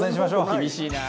「厳しいな」